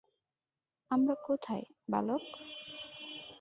আমরা কোথায়, বালক?